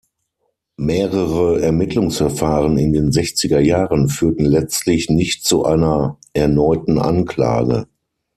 Mehrere Ermittlungsverfahren in den sechziger Jahren führten letztlich nicht zu einer erneuten Anklage.